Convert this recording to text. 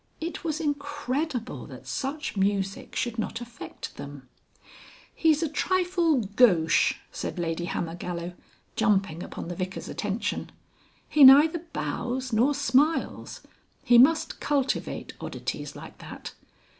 It was incredible that such music should not affect them. "He's a trifle gauche," said Lady Hammergallow, jumping upon the Vicar's attention. "He neither bows nor smiles. He must cultivate oddities like that.